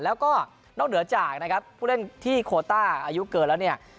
แล้วก็นอกเหนือจากนะครับผู้เล่นที่โคต้าอายุเกินแล้วเนี่ย